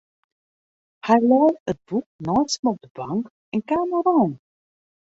Hy lei it boek neist him op de bank en kaam oerein.